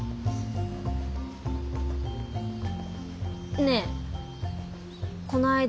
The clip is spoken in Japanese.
ねぇこの間